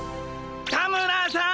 田村さん！